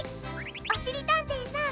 おしりたんていさん